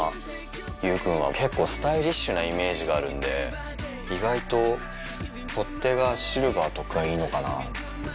友君は結構スタイリッシュなイメージがあるんで意外と取っ手がシルバーとかいいのかな。